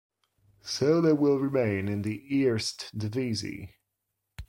So they will remain in the Eerste Divisie.